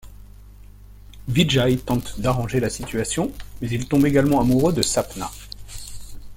Vijay tente d'arranger la situation, mais il tombe également amoureux de Sapna.